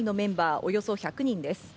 およそ１００人です。